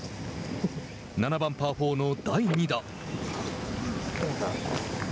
７番パー４の第２打。